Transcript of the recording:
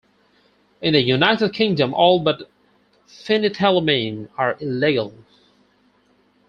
In the United Kingdom, all but phenethylamine are illegal.